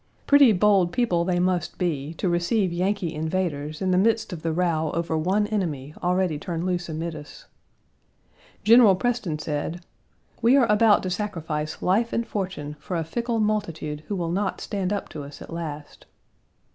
Pretty bold people they must be, to receive Yankee invaders in the midst of the row over one enemy already turned loose amid us. General Preston said: "We are about to sacrifice life and fortune for a fickle multitude who will not stand up to us at last."